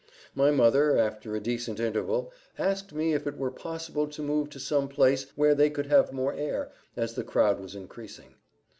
My mother, after a decent interval, asked me if it were possible to move to some place where they could have more air, as the crowd was increasing.